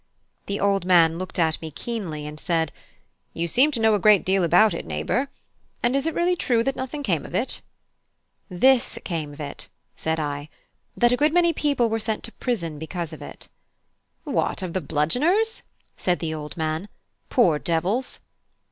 The old man looked at me keenly, and said: "You seem to know a great deal about it, neighbour! And is it really true that nothing came of it?" "This came of it," said I, "that a good many people were sent to prison because of it." "What, of the bludgeoners?" said the old man. "Poor devils!"